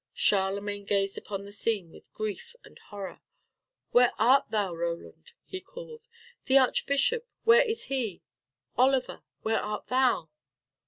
Charlemagne gazed upon the scene with grief and horror. "Where art thou, Roland?" he called. "The archbishop, where is he? Oliver, where art thou?"